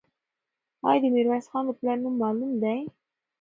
آیا د میرویس خان د پلار نوم معلوم دی؟